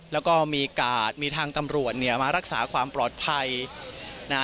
แล้วก็มีกาดมีทางตำรวจเนี่ยมารักษาความปลอดภัยนะฮะ